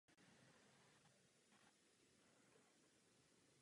V žádném případě to nemění to hlavní, čili podstatu.